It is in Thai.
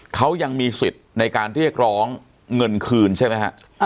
เขายังมีสิทธิ์ในการเรียกร้องเงินคืนใช่ไหมฮะ